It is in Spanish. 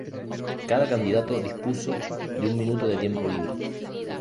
Cada candidato dispuso de un minuto de tiempo libre.